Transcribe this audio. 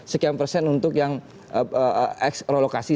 sekian persen untuk yang eks relokasi